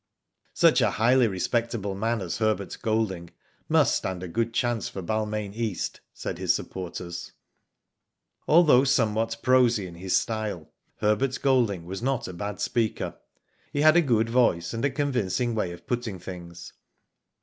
SuGh a highly respectable man as Herbert Golding, must stand a good chance for Balmain East," said his supporters. Although somewhat prosy in his style, Herbert Golding was not a bad speaker. He had a good voice, and a convincing way of putting things.